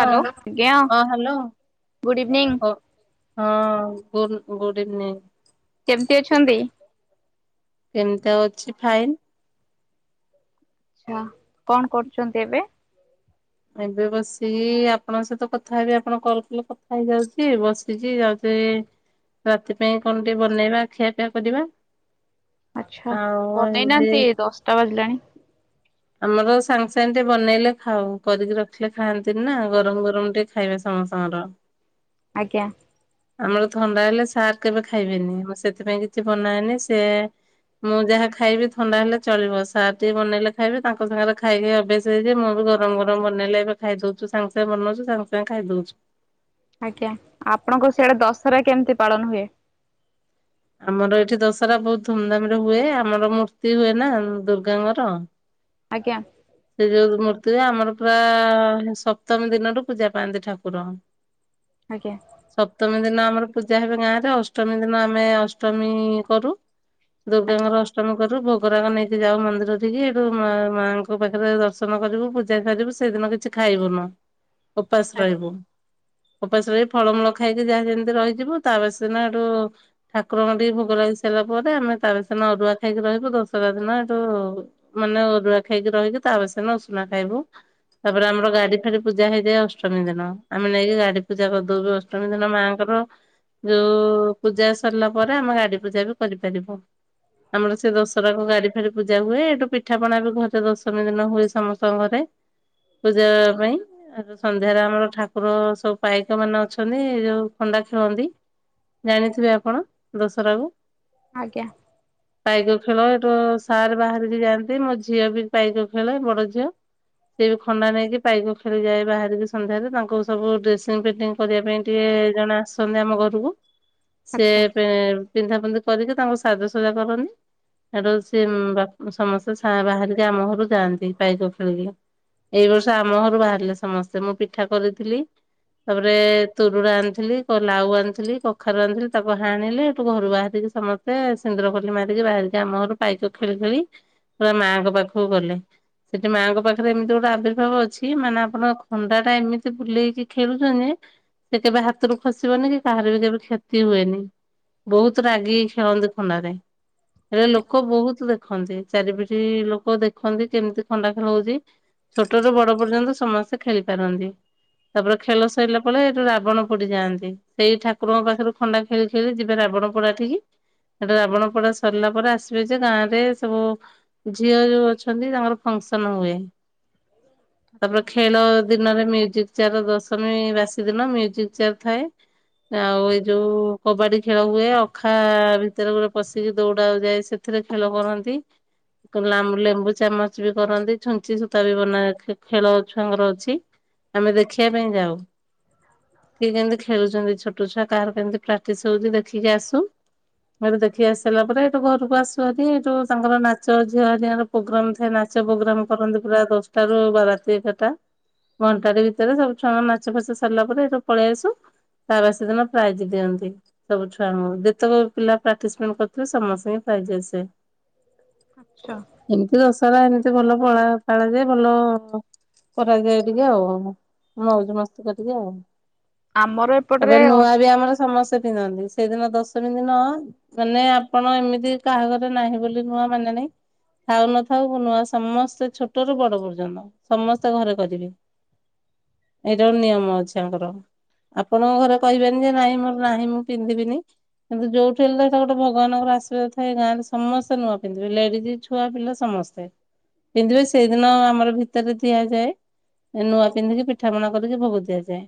ହଁ ହ୍ୟାଲୋ ଆଜ୍ଞା ହଁ ହାଲୋ ଗୁଡ୍ ଇଭିନିଂ ଓ। ହଁ ଗୁନ୍ ଗୁଡ଼ ଇଭିନୀଙ୍ଗ। କେମିତି ଅଛନ୍ତି? କେମିତି ଆଉ ଅଛି ଫାଇନ୍। ଆଛା କଣ କରୁଚନ୍ତି ଏବେ? ଏବେ ବସିକି ଆପଣଙ୍କ ସହିତ କଥା ହେବି ଆପଣଙ୍କ କଲ କଲେ କଥା ହେଇଯାଉଚି ବସିଛି ଯାଉ ଚି ରାତି ପାଇଁ କଣ ଟିକେ ବନେଇବା ଖିଆ ପିଆ କରିବା। ଆଚ୍ଛା ଆଉ ଏମିତି ବନେଇନାହାନ୍ତି ଦଶଟା ବାଜିଲାଣି। ଆମର ସାଙ୍ଗେ ସାଙ୍ଗେ ଟିକେ ବନେଇଲେ ଖାଉ କରିକି ରଖିଲେ ଖାଆନ୍ତିନି ନା ଗରମ ଗରମ ଟିକେ ଖାଇବା ସମସ୍ତଙ୍କର [unintelligible] ଆଜ୍ଞା। ଆମର ଥଣ୍ଡା ହେଲେ ସାର୍ କେବେ ଖାଇବେନି। ମୁଁ ସେଥିପାଇଁ କିଛି ବନାଏନି ସେ ମୁଁ ଯାହା ଖାଇବି ଥଣ୍ଡା ହେଲେ ଚଳିବ। ସାର ଟିକେ ବନେଇଲେ ଖାଇବେ ତାଙ୍କ ସାଙ୍ଗରେ ଖାଇ ଖାଇ ଅଭ୍ୟାସ ହେଇଚି ଯେ ମୁଁ ବି ଗରମ ଗରମ ବନେଇଲେ ଏବେ ଖାଇଦୋଉଚୁ ସାଙ୍ଗ ସାଙ୍ଗ ବନୋଉଚୁ ସାଙ୍ଗ ସାଙ୍ଗ ଖାଇ ଦୋଉଛୁ। ଆଜ୍ଞା ଆପଣଙ୍କ ସିଆଡେ ଦଶହରା କେମିତି ପାଳନ ହୁଏ। ଆମର ଏଠି ଦଶହରା ବୋହୁତ ଧୁମଧାମରେ ହୁଏ। ଆମର ମୂର୍ତ୍ତି ହୁଏ ନା ଉଁ ଦୁର୍ଗାଙ୍କର। ଆଜ୍ଞା। ସେ ଯୋଉ ମୂର୍ତ୍ତି ହୁଏ। ଆମର ପୁରା ସପ୍ତମୀ ଦିନଠୁ ପୂଜା ପାଆନ୍ତି ଠାକୁର। ଆଜ୍ଞା ସପ୍ତମୀ ଦିନ ଦିନ ଆମର ପୂଜା ହେବେ ଗାଁରେ ଅଷ୍ଟମୀ ଦିନ ଆମେ ଅଷ୍ଟମୀ କରୁ। ଆଜ୍ଞା ଦୁର୍ଗାଙ୍କର ଅଷ୍ଟମୀ କରୁ ଭୋଗରାଗ ନେଇକି ଯାଉ ମନ୍ଦିର ଠିକି ହେଠୁ ମା ମାଙ୍କ ଙ୍କ ପାଖରେ ଦର୍ଶନ କରିବୁ ପୂଜା ସାରିବୁ ସେଇଦିନ କିଛି ଖାଇବୁନୁ। ଓପାସ ରହିବୁ। ଓପାସ ରହି ଫଳମୂଳ ଖାଇକି ଯାହା ଯେମିତି ରହିଯିବୁ। ତା ବାସି ଦିନ ହେଟୁ ଠାକୁରଙ୍କଠୀ ଭୋଗ ଲାଗି ସାରିଲା ତା ପରେ ଆମେ ତା ବାସିଦିନ ଅରୁଆ ଖାଇକି ରହିବୁ ଦଶହରା ଦିନ ହେଟୁ ମାନେ ଅରୁଆ ଖାଇକି ରହିକି ତା ବାସିଦିନ ଉଷୁନା ଖାଇବୁ। ତାପରେ ଆମର ଗାଡି ଫାଡି ପୂଜା ହେଇଯାଏ। ଅଷ୍ଟମୀ ଦିନ। ଆମେ ନେଇକି ଗାଡି ପୂଜା କରିଦୋଉ ବି ଅଷ୍ଟମୀ ଦିନ ମାଆଙ୍କର ର ଯୋଉ ପୂଜା ସରିଲା ପରେ ଆମେ ଗାଡି ପୂଜା ବି କରିପାରିବୁ। ଆମର ସେ ଦଶହରାକୁ ଗାଡି ଫାଡି ପୂଜା ହୁଏ। ହେଟୁ ପିଠାପଣା ବି ଘରେ ଦଶମୀ ଦିନ ହୁଏ ସମସ୍ତଙ୍କ ଘରେ ପୂଜା ପାଇଁ। ଆ ତ ସନ୍ଧ୍ୟାରେ ଆମର ଠାକୁର ସବୁ ପାଇକ ମାନେ ଅଛନ୍ତି। ଯୋଉ ଖଣ୍ଡା ଖେଳନ୍ତି ଜାଣିଥିବେ ଆପଣ ଦଶହରାକୁୁ। ଆଜ୍ଞା ପାଇକ ଖେଳ ହେଟୁ ସାର୍ ବାହାରିକି ଯାଆନ୍ତି। ମୋ ଝିଅ ବି ପାଇକ ଖେଳେ ବଡ ଝିଅ। ସେ ବି ଖଣ୍ଡା ନେଇକି ପାଇକ ଖେଳିଯାଏ। ବାହାରିକି ସନ୍ଧ୍ୟାରେ ତାଙ୍କୁ ସବୁ ଡ୍ରେସିଙ୍ଗି ଫେଣ୍ଟିଙ୍ଗି କରିବା ପାଇଁ ଟିକେ ଯେ ଜଣେ ଆସନ୍ତି ଆମ ଘରକୁ ସେ ଆଚ୍ଛା। ପେ ପିନ୍ଧା ନ୍ଧି କରିକି ତାଙ୍କୁ ସାଜସଜା କରନ୍ତି। ସେଠୁ ସି ବା ସମସ୍ତେ ବାହାର ଆମ ଘରୁ ଯାଆନ୍ତି ପାଇକ ଖେଳିକି। ଏଇ ବର୍ଷ ଆମ ଘରୁ ବାହାରିଲେ ସମସ୍ତେ ମୁଁ ପିଠା କରିଥିଲି ତାପରେ ତୁରୁୁଡା ଆଣିଥିଲି, ଲାଉ ଆଣିଥିଲି, କଖାରୁ ଆଣିଥିଲି ତାକୁ ହାଣିଲି ହେଠୁ ଘରୁ ବାହାରିି ସମସ୍ତେ ସିନ୍ଦୁର ଖୋଲି ମାରିକି ବାହାରିକି ଆମ ଘରୁ ପାଇକ ଖେଳି ଖେଳି ପୁରା ମାଆଙ୍କ ପାଖ କୁ ଗଲେ। ସେଠି ମାଆଙ୍କ ପାଖରେ ଏମିତି ଗୋଟେ ଆବିର୍ଭାବ ଅଛି। ମାନେ ଆପଣ ଖଣ୍ଡାଟା ଏମିତି ବୁଲେଇକି ଖେଳୁଛନ୍ତି ସେ କେବେ ହାତରୁ ଖସିବନି କି କାହାର ବି କେବେ କ୍ଷତି ହୁଏନି। ବହୁତ ରାଗିକି ଖେଳନ୍ତି ଖଣ୍ଡାରେ। ହେଲେ ଲୋକ ବହୁତ ଦେଖନ୍ତି ଚାରିପିଠି ଲୋକ ଦେଖନ୍ତି କେମିତି ଖଣ୍ଡା ଖେଳ ହେ। ଛୋଟରୁୁ ବଡ ପର୍ଯ୍ୟନ୍ତ ସମସ୍ତେ ଖେଳି ପାରନ୍ତି। ତାପରେ ଖେଳ ସରିଲା ପରେ ସେଇଠୁ ରାବଣ ପୋଡିଯାଆନ୍ତି। ସେଇ ଠାକୁରଙ୍କ ପାଖରୁ ଖଣ୍ଡା ଖେଳି ଖେଳି ଯିବେ ରାବ ରାବଣ ପୋଡ଼ାଠିକି। ସେଇଠୁ ରାବଣ ପୋଡା ସରିଲା ପରେ ଆସିବେ ଯେ ଗାଁରେ ସବୁ ଝିଅ ଯୋଉ ଅଛନ୍ତି ତାଙ୍କର ଫଙ୍କସନ ହୁଏ। ତାପରେ ଖେଳ ଦିନରେ ମ୍ୟୁଜିକ ଚାର ଦଶମୀ ବାସି ଦିନ ମ୍ୟୁଜିକ ଚ୍ୟାର୍ ଥାଏ। ଆଉ ଏଇ ଯୋଉ କବାଡି ଖେଳ ହୁଏ, ଅଖା ଭିତରେ ଗୋଟେ ପଶିକି ଦୌଡ ଯାଏ ସେଥି ରେ ଖେଳ କରନ୍ତି। [inaudible] ଲେମ୍ବୁ ଚାମଚ ବି କରନ୍ତି, ଛୁଞ୍ଚି ସୂତା ବି ବନା ଖେଳ ଛୁଆଙ୍କର ଅଛି। ଆମେ ଦେଖିବା ପାଇଁ ଯାଉ। କି କେମିତି ଖେଳୁଛନ୍ତି ଛୋଟ ଛୁଆ କାହାର କେମିତି ପ୍ରାକ୍ଟିସ ହଉଛି ଦେଖିକି ଆସୁ ଏଠୁ ଦେଖି ଆସ ସିଲା ପରେ ଏଇଠୁ ଘରକୁ ଆସୁ ହେରି ଏଠୁ ତାଙ୍କର ନାଚ ଝିଅ ହେରି ଙ୍କାର ପ୍ରୋଗ୍ରାମ ଥାଏ ନାଚ ପ୍ରୋଗ୍ରାମ କରନ୍ତି ପୁରା ଦଶଟା ରୁ ବା ରାତି ଏଗାରଟା। ଘଣ୍ଟା ଟି ଭିତରେ ସବୁ ଛୁଆଙ୍କ ନାଚ ଫାଚ ସରିଲା ପରେ ଏଟୁ ପଳେଇ ଆସୁ। ତା ବାସି ଦିନ ପ୍ରାଇଜ ଦିଅନ୍ତି ସବୁ ଛୁଆଙ୍କୁ ଯେତେକ ପିଲା ପାର୍ଟିସିପେଟ କରିଥିଲେ ସମସ୍ତ ପାଇଜ ଆସେ। ଆଚ୍ଛା। ସାର ଏମିତି ଭଲ ପଳା ପାଳାଯାଏ ଭଲ କରାଯାଏ ଟିକେ ଆଉ ମଉଜ ମସ୍ତିକ ଟିକେ ଆଉ। ଆମର ଏପଟରେ ତାପରେ ନୂଆ ଅଷ୍ଟ ବି ଆମର ସମସ୍ତ ତେ ପିନ୍ଧନ୍ତି ସେଦିନ ଦଶମୀ ଦିନ ମାନେ ଆପଣ ଏମିତି କାହାଘରେ ନାହିଁ ବୋଲି ନୂଆ ମାନେ ନାହି ଥାଉ ନଥାଉ ନୂଆ ସମସ୍ତେ ଛୋଟରୁୁ ବଡ ପର୍ଯ୍ୟନ୍ତ ସମସ୍ତେ ଘରେ କରିବେ। [inaudible] ଏଇଟା ନିୟମ ଅଛି ଆଙ୍କର। ଆପଣଙ୍କ ଘରେ କହିବେନି ଯେ ନାଇଁ ମୋର ନାହିଁ ମୁଁ ପିନ୍ଧିବିନି କିନ୍ତୁ ଯୋଉଠି ହେଲେ ତଇଟ ଗୋଟେ ଭଗାନଙ୍କର ଆଶୀର୍ବାଦ ଥାଏ ଗାଁରେ ସମସ୍ତେ ନୂଆ ପିନ୍ଧିବେ ଲେଡିଜ। ଛୁଆ ପିଲା ସମସ୍ତେ ପିନ୍ଧିବେ ସେଇଦିନ ଆମର ଭିତରେ ଦିଆଯାଏ ନୂଆ ପିନ୍ଧିକି ପିଠା ପଣା କରିକି ଭୋଗ ଦିଆଯାଏ।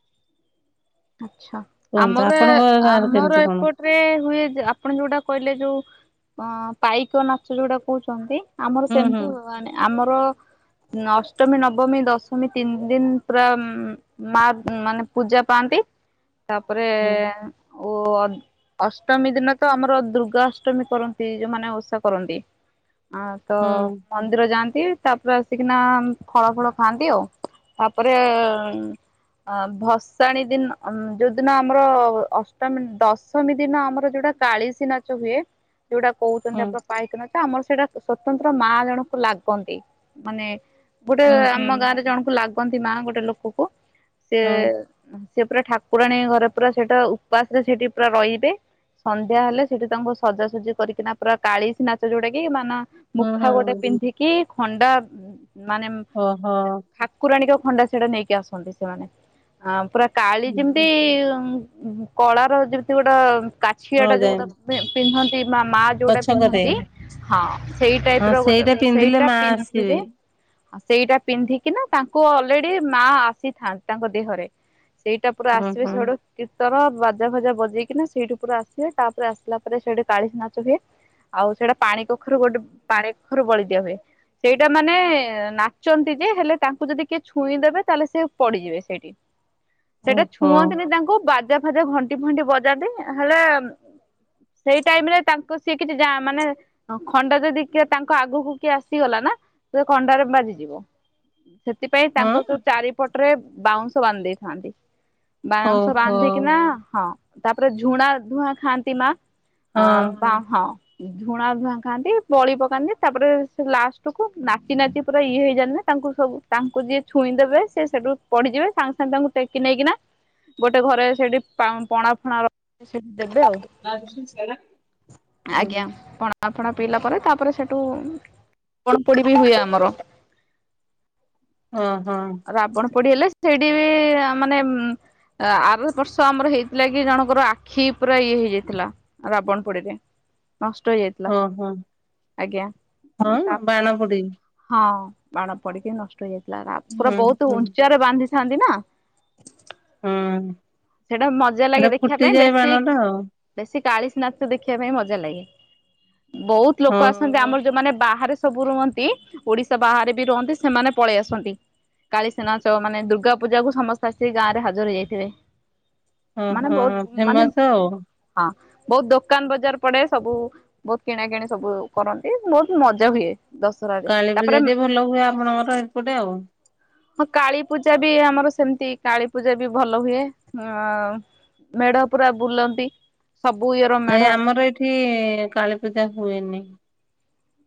ହ [inaudible] ଆଛା କୁହନ୍ତୁ ଆମର ଆପଣଙ୍କ ଗାଁରେ ଆମର କେମିତି କଣ? ଏପଟରେ ହୁଏ ଆପଣ ଯୋଉଟା କହିଲେ ଯୋଉ ଅ ପାଇକ ନାଚ ଯୋଉଟା କହୁଛନ୍ତି। ଆମର ହୁଁ ହୁଁ ସେମିତି ହୁଏନି ଆମର ଅଷ୍ଟମୀ ନବ ନବମୀ ଦଶମୀ ତିନି ଦିନ ପୁରା ମା ମାନେ ପୂଜା ପାଆନ୍ତି। ତାପରେ ହୁଁ ଓ ଅଷ୍ଟମୀ ଦିନ ତ ଆମର ଦୁର୍ଗା ଅଷ୍ଟମୀ କରନ୍ତି ଯୋଉମାନେ ଓଷା କରନ୍ତି। ଆଁ ତ ହୁଁ ମନ୍ଦିର ଯାଆନ୍ତି। ତାପରେ ଆସିକିନା ଫଳ ଫଳ ଖାଆନ୍ତି ଆଉ ତାପରେ ଅ ଭସାଣି ଦିନ ଯୋଉ ଦିନ ଆମର ଅଷ୍ଟମୀ ଦଶମୀ ଦିନ ଆମର ଯୋଉଟା କାଳିଶୀ ନାଚ ହୁଏ ଯୋଉଟା କହୁଛନ୍ତି ଆପଣ ପାଇକନା ଆମର ସେଇଟା ସ୍ଵତନ୍ତ୍ର ମା ଜଣଙ୍କୁ ଲାଗନ୍ତି ମାନେ ଗୋଟେ ହୁଁ ହୁଁ ଆମ ହୁଁ ଗାଁରେ ଜଣକୁ ଲାଗନ୍ତି ମା ଗୋଟେ ଲୋକକୁ ହଁ ସିଏ ପୁରା ଠାକୁରାଣୀ ଘରେ ପୁରା ସେଇଟା ଉପାସ ରେ ସେଇଠି ପୁରା ରହିବେ ସନ୍ଧ୍ୟା ହେଲେ ସେଠି ତାଙ୍କୁ ସଜାସଜି କରିକିନା ପୁରା କାଳିଶୀ ନାଚ ଯୋଉଟା କି ମାନେ ହୁଁ ମୁଖା ଗୋଟେ ହୁଁ ପିନ୍ଧିକି ଖଣ୍ଡା ମାନେ ଓହୋ ଠାକୁରାଣୀକ ଖଣ୍ଡା ସେଟା ନେଇକି ଆସନ୍ତି ସେମାନେ ଆ ପୁରା କାଳୀ ଯେମିତି କଳାର ଯେମିତି ଗୋଟେ କାଛିଆ ହଁ ଟା ଯୋଉ ଗୋଟା ଜାଇଲି ପିନ୍ଧନ୍ତି ବା ମା ଯୋଉଟା ପଛକରେ ପିନ୍ଧନ୍ତି ହଁ ସେଇ ଟାଇପ ହଁ ର ସେଇଟା ଗୋଟେ ପିନ୍ଧିଲେ ସେଇଟା ମା ଆସିବେ ପିନ୍ଧିବେ ଆଉ ସେଇଟା ପିନ୍ଧିକିନା ତାଙ୍କୁ ଅଲରେଡି ମା ଆସିଥାନ୍ତି ତାଙ୍କ ଦେହରେ। ସେଇଟା ପୁରା ଓ ଆସିବେ ହଁ ଛଡ ତର ବାଜା ଫଜା ବଜେଇକିନା ସେଇଠି ପୁରା ଆସ ହଏ ତାପରେ ଆସିଲା ପରେ ସେଇଠି କାଳି ନାଚ ହୁଏ। ଆଉ ସେଇଟା ପାଣି କଖାରୁ ଗୋଟେ ପାଣି କଖାରୁ ବଳି ଦିଆ ହୁଏ। ସେଇଟା ମାନେ ନାଚନ୍ତି ଯେ ହେଲେ ତାଙ୍କୁ ଯଦି କିଏ ଛୁଇଁଦେବେ ତାହେଲେ ସେ ପଡିଯିବେ ସେଇଠି। ସେଇଟା ଓହୋ ଛୁଅନ୍ତିନି ତାଙ୍କୁ ବାଜା ଫାଜା ଘଣ୍ଟି ଫଣ୍ଟି ବଜାନ୍ତି ହେଲେ ସେଇ ଟାଇମ ରେ ତାଙ୍କ ସିଏ କିଛି ଯା ମାନେ ଖଣ୍ଡା ଯଦି କିଏ ତାଙ୍କ ଆଗକୁ କିଏ ଆସିଗଲା ନା ସେ ଖଣ୍ଡାରେ ବାଜିଯିବ। ସେଥିପାଇଁ ହଁ ତାଙ୍କ ଚାରିପଟରେ ବାଉଁଶ ବାନ୍ଧି ଦେଇଥାନ୍ତି। ବାଉଂଶ ଓହୋ ବାନ୍ଧିକିନା ହଁ ତାପରେ ଝୁଣା ଧୂଆଁ ଖାଆନ୍ତି ମା। ଅ ହଁ। ବା ହଁ। ଝୁଣା ଧା ଖାନ୍ତି ବଳି ପକାନ୍ତି ତାପରେ ସେ ଲାଷ୍ଟ କୁ ନାଚ ନାଚି ପୁରା ଇଏ ହେଇଯାଣିି ତା ସୁ ତାଙ୍କୁ ଯିଏ ଛୁଇଁ ଦେବେ ସେ ସେଠୁ ପଡିଯିବେ ସାଙ୍ଗେ ସାଙ୍ଗେ ତାଙ୍କୁ ଟେ କି ନେଇକିନା ଗୋଟେ ଘରେ ସେଠି ପଣା ଫଣା ସ ଦେବେ ଆଉ ହଁ ଆଜ୍ଞା ପଣା ଫଣା ଫଣା ପିଇଲା ପରେ ତାପରେ ସେଠୁ ପଳପୋଡି ବି ହୁଏ ଆମର ଓହୋ। ରାବଣ ପୋଡି ହେଲେ ସେଇଠି ବି ମାନେ ଉଁ ଆର ବର୍ଷ ଆମର ହେଇଥିଲା କି ଜଣଙ୍କର ଆଖି ପୁରା ଇଏ ହେଇଯାଇଥିଲା ରାବଣ ପୋଡିରେ ନଷ୍ଟ ହେଇଯାଇଥିଲା ହଁ ହଁ ଆଜ୍ଞା ହଁ ତା ବାଣ ପୋଡି ହଁ। ବାଣ ପଡିକି ନଷ୍ଟ ହେଇଯାଇଥିଲା ପୁରା ହୁଁ ବହୁତ ହୁଁ ଉଞ୍ଚରେ ବାନ୍ଧିଥାନ୍ତି ନା ହଁ ସେଟା ମଜା ଲାଗେ ଏଟା ଦେଖିବା ପାଇଁ ଫୁଟିଯାଏ ବେଶୀ ବାଣ ଟା ଆଉ ବେଶୀ ଚାଳିଶ ନାଚ ଦେଖିବା ପାଇଁ ମଜା ଲାଗେ ବହୁତ ହଁ ଲୋକ ଆସନ୍ତି ମୁଁ ଆମର ଯୋଉମାନେ ବାହାରେ ସବୁ ରୁହନ୍ତି ଓଡିଶା ବାହାରେ ବି ରୁହନ୍ତି ସେମାନେ ପଳେଇ ଆସନ୍ତି। କାଳିସେନାଚ ମାନେ ଦୁର୍ଗା ପୂଜା କୁ ସମସ୍ତେ ଆସିିକି ଗାଁରେ ହାଜର ହେଇଯାଇଥିବେ। ହଁ ମାନେ ହଁ ବହୁତ ମାନେ ଫେମସ ଆଉ ହଁ। ବହୁତ ଦୋକାନ ବଜାର ପଡେ ସବୁ ବହୁତ କିଣା କିିଣି ସବୁ କରନ୍ତି ବହୁତ ମଜା ହୁଏ। ଦଶହରାରେ କାଳୀ ପୂଜା ତାପରେ ଟି ଭଲ ହୁଏ ଆପଣଙ୍କର ଏପଟେ ଆଉ। ହଁ କାଳୀପୂଜା ବି ଆମର ସେମତି କାଳୀ ପୂଜା ବି ଭଲ ହୁଏ। ମେଢ଼ ପୁରା ବୁଲନ୍ତି। ସବୁ ଇଏର ନ ମେଢ ଆମର ଏଇଠି କାଳୀ ପୂଜା ହୁଏନି।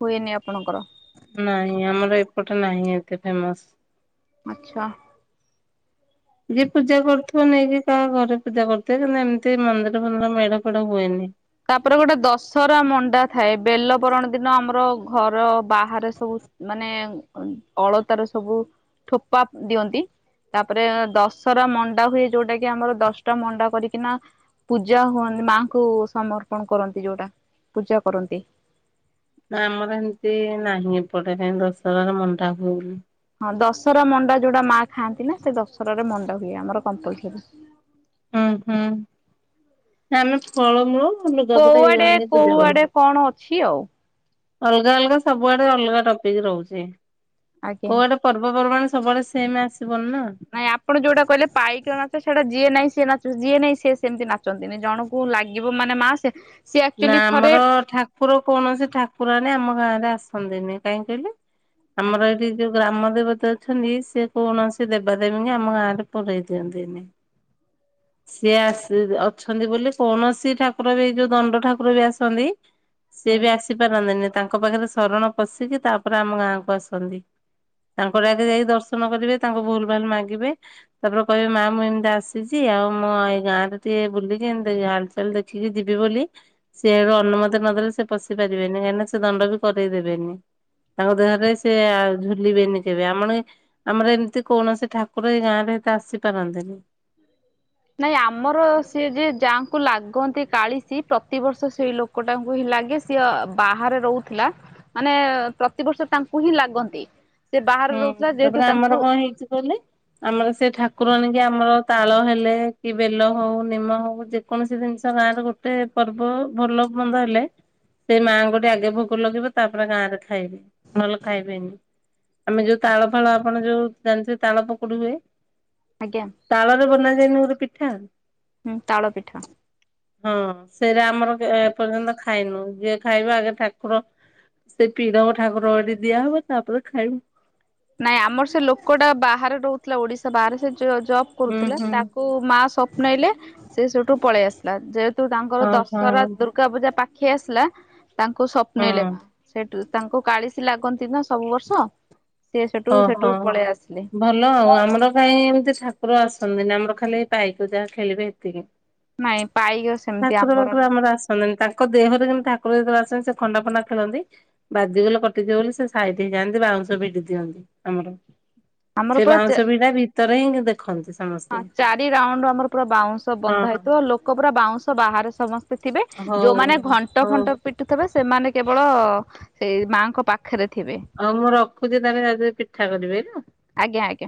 ହୁଏନି ଆପଣଙ୍କର? ନାଇଁ ଆମର ଏପଟେ ନାହିଁ ଏତେ ଫେମସ ଆଛା। ଯିଏ ପୂଜା କରୁଥିବ ନେଇକି କାହା ଘରେ ପୂଜା କରୁଥିବେ କିନ୍ତୁ ଏମିତି ମନ୍ଦିର ଫନ୍ଦିର ମେଢ ଫେଢ଼ ହୁଏନି। ତାପରେ ଗୋଟେ ଦଶହରା ମଣ୍ଡା ଥାଏ ବେଲପରଣ ଦିନ ଆମର ଘର ବାହାରେ ସବୁ ମାନେ ଅଳତାର ସବୁ ଠୋପା ଦିଅନ୍ତି। ତାପରେ ଦଶରା ମଣ୍ଡା ହୁଏ ଯୋଉଟା କି ଆମର ଦଶଟା ମଣ୍ଡା କରିକିନା ପୂଜା ହୁଅନ୍ତି ମାଙ୍କୁ ସମର୍ପଣ କରନ୍ତି ଯୋଉଟା ପୂଜା କରନ୍ତି। ନା ଆମର ଏମିତି ନାହିଁ ଏପଟେ କାଇଁଇ ଦଶହରାରେ ମଣ୍ଡା ହୁଏନି। ଦଶହରା ମଣ୍ଡା ଯୋଉଟା ମା ଖାଆନ୍ତି ନା ସେ ଦଶହାରେ ମଣ୍ଡା ହୁଏ ଆମର କମ୍ପଲର ହୁଁ ହୁଁ ଆମେ ଫଳମୂଳ। ଲୁଗାପଟା ଏଇରା କୋଉଆଡେ ନେଇ ପୂଜା କରୁ। କୋଉଆଡେ କଣ ଅଛି ଆଉ? ଅଲଗା ଅଲଗା ସବୁଆଡେ ଅଲଗା ଟପିକ ରହୁଛି ଆଜ୍ଞା। କୋଉ ଆଡେ ପର୍ବପର୍ବାଣୀ ସବୁବେଳେ ସେମ ଆସେ ନାଇଁ ଆପଣ ଯୋଉଟା କହିଲେ ପାଇକଣା ସେଟା ଯିଏ ନାଇଁ ସି ନାଚ ଯିଏ ନାଇଁ ସେ ସେମିତି ନାଚନ୍ତିନି ଜଣଙ୍କୁ ଲାଗିବ ମାନେ ମା ସେ ସିଏ ନା ଆକ୍ଚୁଆଲି ଥରେ ଆମର ଠାକୁର କୌଣସି ଠାକୁରଣୀ ଆମ ଗାଁ ରେ ଆସନ୍ତିନି କାହିଁ କହିଲେ? ଆମର ଏଇଠି ଯୋଉ ଗ୍ରାମ ଦେବତା ଅଛନ୍ତି ସେ କୌଣସି ଦେବାଦେବୀଙ୍କ ଆମ ଗାଁ ରେ ପୁରେଇ ଦିଅନ୍ତିନି। ସିଏ ଆସି ଅଛନ୍ତି ବୋଲି କୌଣସି ଠାକୁର ବି ଯୋଉ ଦଣ୍ଡ ଠାକୁର ବି ଆସନ୍ତି ସିଏ ହୁଁ। ବି ଆସିପାରନ୍ତିନି ତାଙ୍କ ପାଖରେ ଶରଣ ପଶିକି ତାପରେ ଆମ ଗାଁକୁ ଆସନ୍ତି। ତାଙ୍କରଆଗେ ଯାଇ ଦର୍ଶନ କରିବେ ତାଙ୍କୁ ଭୁଲ ଭାଲ୍ ମାଗିବେ ତାପରେ କହିବେ ମା ମୁଁ ଏମିତି ଆସିଚି ଆଉ ମୁଁ ଏଇ ଗାଁ ରେ ଟିକେ ବୁଲିକି ଏମିତି ହାଲ୍ ଚାଲ୍ ଦେଖିକି ଯିବି ବୋଲି ସିଆଡୁ ଅନୁମତି ନଦେଲେ ସେ ପଶି ପାରିବେନି ହେନେ ସେ ଦଣ୍ଡ ବି କରଇ ଦେବେନି। ତାଙ୍କ ଦେହରେ ସେ ଆ ଝୁଲିବେନି କେବେ ଆମଣି ଆମର ଏମିତି କୌଣସି ଠାକୁର ଏଇ ଗାଁରେ ତ ଆସିପାରନ୍ତିନି। ନାଇଁ ଆମର ସିଏ ଯିଏ ଯାହାଙ୍କୁ ଲାଗନ୍ତି କାଳିଶୀ ପ୍ରତିବର୍ଷ ସେଇ ଲୋକ ଟାଙ୍କୁ ହିଁ ଲାଗେ ସିଏ ବାହାରେ ରହୁଥିଲା ମାନେ ପ୍ରତିବର୍ଷ ତାଙ୍କୁ ହିଁ ଲାଗନ୍ତି। ସେ ବାହାରେ ହୁଁ ରହୁଥିଲା ଯେହେତୁ ତାପରେ ତାଙ୍କୁ ଆମର କଣ ହେଇଚି କହିଲେ ଆମର ସେ ଠାକୁ ଠାକୁରା ଆଣିକି ଆମର ତାଳ ହେଲେ କି ବେଲ ହଉ ନିମ ହଉ ଯେକୌଣସି ଜିନିଷ ଗାଁରେ ଗୋଟେ ପର୍ବ ଭଲ ମନ୍ଦ ହେଲେ ସେ ମାଆଙ୍କଠି ଆଗେ ଭୋଗ ଲାଗିବ ତାପରେ ଗାଁରେ ଖାଇବେ, ନହେଲେ ଖାଇବେନି। ଆମେ ଯୋଉ ତାଳ ଫାଳ ଆପଣ ଯଉ ଜାଣି ଥିଵେ ତାଳ ପକୁଡ଼ି ହୁଏ ଆଜ୍ଞା ତାଳରେ ବନା ଯାଏନି ଗୋଟେ ପିଠା? ହୁଁ ତାଳ ପିଠା। ହଁ ସେରା ଆମର ଏପର୍ଯ୍ୟନ୍ତ ଖାଇନୁ ଯିଏ, ଖାଇବା ଆଗେ ଠାକୁର ସେ ପିିଡ଼ମ ଠାକୁରଠି ଦିଆ ହବ ତାପରେ ଖାଇବୁ। ନାଇଁ ଆମର ସେ ଲୋକଟା ବାହାରେ ରହୁଥିଲା ଓଡିଶା ବାହାରେ ସେ ସିଏଜବ୍ ହୁଁ କରୁଥିଲା ହୁଁ ତାକୁ ମା ସ୍ଵପ୍ନେଇଲେ ସେ ସେଠୁ ପଳେଇ ଆସିଲା, ଯେହେତୁ ତାଙ୍କର ହଁ ହଁ ଦଶହରା ଦୁର୍ଗା ପୂଜା ପାଖେଇ ଆସିଲା, ତାଙ୍କୁ ହଁ ସ୍ୱପ୍ନେଇଲେ। ସେଟୁ ତାଙ୍କୁ କାଳିଶି ଲାଗନ୍ତି ନା ସବୁ ବର୍ଷ। ସିଏ ସେଠୁ ସେଠୁ ଅହଃ! ପଳେଇ ଆସିଲେ ଭଲ ଆଉ ଆମର କାହିଁ ଏମିତି ଠା ଠାକୁର ଆସନ୍ତିନ ଆମର ଖାଲି ପାଇକ ଯାହା ଖେଳିବେ ହେତିକି। ନାଇଁ ପାଇକ ସେମିତି ଠାକୁର ବାକୁର ନାହିଁ, ଆମର ଆସନ୍ତିନି ତାଙ୍କ ତାଙ୍କ ଦେହରେ ଯେ ଠାକୁର ଯେତେବେଳେ ଆସନ୍ତି ସେ ଖଣ୍ଡା ଫଣ୍ଡା ଖେଳନ୍ତି ବାଜିଗଲେ କଟିଯିବ ବୋଲି ସେ ସାଇଡ୍ ହେଇଯାନ୍ତି ବାଁ କୁ ବାଉଁଶ ଭିଡ଼ି ଦିଅନ୍ତି ଆମର, ଆମର ସେ ପୁରା ଚା ବାଉଁଶ ବିଡ଼ା ଭିତରେ ହିଁ ଦେଖ୍ ହଁ ଚାରି ରାଉଣ୍ଡୁ ଆମର ପୁରା ବାଉଁଶ ହଁ ବନ୍ଧା ହେଇଥିବ ଲୋକ ପୁରା ବାଉଁଶ ବାହାରେ ସମସ୍ତ ଥିବେ ହଉ। ଯଉମାନେ ଘଣ୍ଟ ହଉ ଫଣ୍ଟ ପିଟୁଥିବେ ସେମାନେ କେବଳ ସେଇ ମାଙ୍କ ପାଖରେ। ଥିବେ ଆଉ ମୁଁ ରଖୁଚି ତାହାଲେ ଯାଉଚି ପିଠା କରିବି ହେଲା। ଆଜ୍ଞା ଆଜ୍ଞା।